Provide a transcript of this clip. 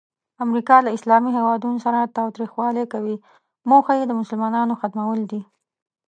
امریکا له اسلامي هیوادونو سره تاوتریخوالی کوي، موخه یې د مسلمانانو ختمول دي.